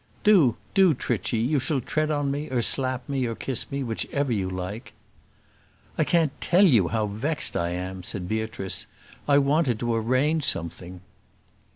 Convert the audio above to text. "Do; do, Trichy: you shall tread on me, or slap me, or kiss me; whichever you like." "I can't tell you how vexed I am," said Beatrice; "I wanted to arrange something."